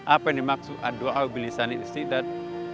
apa yang dimaksud doa bilisan istiadat